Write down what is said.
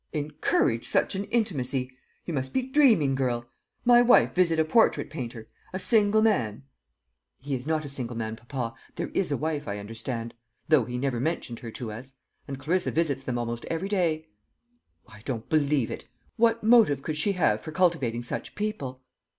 "Encourage such an intimacy! You must be dreaming, girl. My wife visit a portrait painter a single man?" "He is not a single man, papa. There is a wife, I understand; though he never mentioned her to us. And Clarissa visits them almost every day." "I don't believe it. What motive could she have for cultivating such people?"